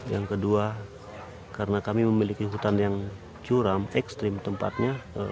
yang kedua karena kami memiliki hutan yang curam ekstrim tempatnya